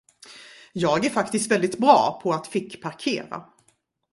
Jag är faktiskt väldigt bra på att fickparkera.